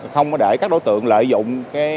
không có để các đối tượng lợi dụng